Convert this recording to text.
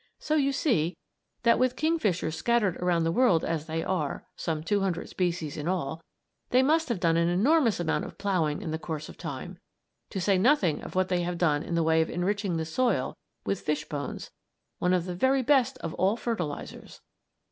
So you see that with kingfishers scattered around the world as they are some 200 species in all they must have done an enormous amount of ploughing in the course of time; to say nothing of what they have done in the way of enriching the soil with fish bones, one of the very best of all fertilizers.